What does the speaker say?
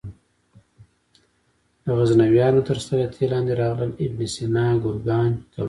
د غزنویانو تر سلطې لاندې راغلل ابن سینا ګرګانج ته ولاړ.